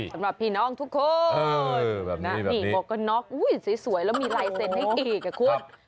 สำหรับผีน้องทุกคนนี่หมวกกะน็อกสวยแล้วมีลายเซ็นต์ให้กับคุณเออแบบนี้